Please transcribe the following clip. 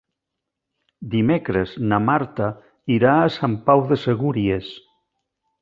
Dimecres na Marta irà a Sant Pau de Segúries.